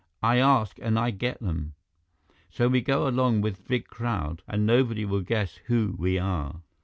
I ask and I get them. So we go along with big crowd, and nobody will guess who we are."